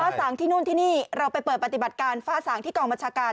สางที่นู่นที่นี่เราไปเปิดปฏิบัติการฝ้าสางที่กองบัญชาการ